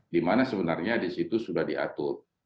di mana sebenarnya di situ sudah diatur